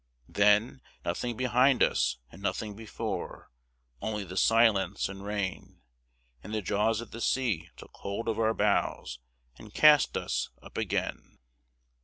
Then, nothing behind us, and nothing before, Only the silence and rain; And the jaws of the sea took hold of our bows And cast us up again.